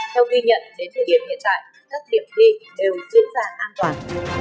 theo ghi nhận đến thời điểm hiện tại các điểm thi đều diễn ra an toàn